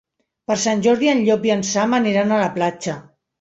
Per Sant Jordi en Llop i en Sam aniran a la platja.